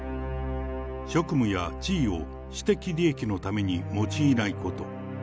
職務や地位を私的利益のために用いないこと。